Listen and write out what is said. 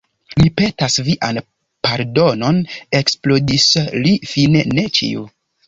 Mi petas vian pardonon, eksplodis li fine, ne ĉiu!